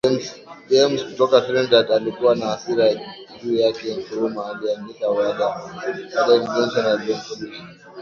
James kutoka Trinidad alikuwa na hasira juu yake Nkrumah aliandika baadaye ni Johnson aliyemfundisha